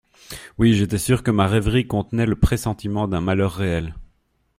Oui, j'étais sûre que ma rêverie contenait le pressentiment d'un malheur réel.